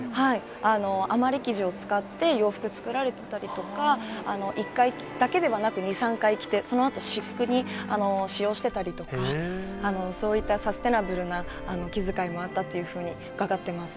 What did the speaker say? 余り生地を使って洋服を作られてたりとか、１回だけではなく、２、３回着て、そのあと私服に使用してたりとか、そういったサスティナブルな気遣いもあったというふうに伺ってます。